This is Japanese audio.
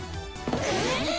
えっ？